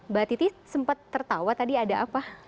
mbak titi sempat tertawa tadi ada apa